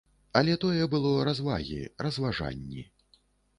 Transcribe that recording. Але тое было развагі, разважанні.